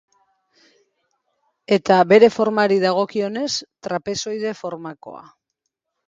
Eta, bere formari dagokionez, trapezoide formakoa.